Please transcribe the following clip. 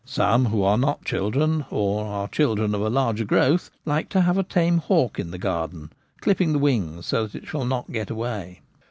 Some who are not children, or are children of ' a larger growth/ like to have a tame hawk in the garden, clipping the wings so that it shall L not get away.